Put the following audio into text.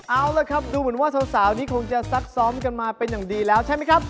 เอาละครับดูเหมือนว่าสาวนี้คงจะซักซ้อมกันมาเป็นอย่างดีแล้วใช่ไหมครับ